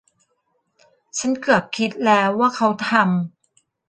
ฉันเกือบคิดแล้วว่าเขาทำ